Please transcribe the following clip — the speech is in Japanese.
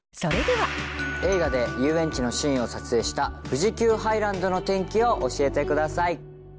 映画で遊園地のシーンを撮影した富士急ハイランドの天気を教えてください。